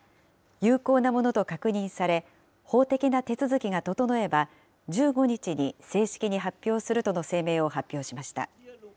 有効なものと確認され、法的な手続きが整えば、１５日に正式に発表するとの声明を発表しました。